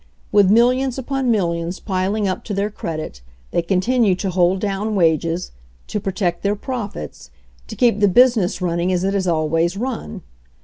With millions upon millions piling up to their credit, they continue to hold down wages, to pro tect their profits, to keep the business running as it has always run.